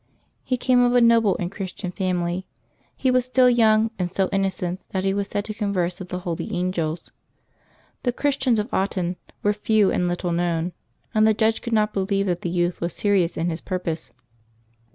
'^ He came of a noble and Christian family. He was still young, and so innocent that he was said to converse with the holy angels. The Christians of Autun were few and little known, and the judge could not believe that the youth was serious in his purpose.